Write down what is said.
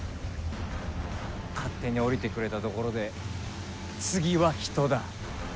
勝手に下りてくれたところで次は人だ。